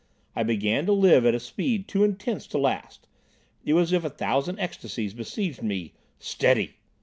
I began to live at a speed too intense to last. It was as if a thousand ecstasies besieged me— "Steady!"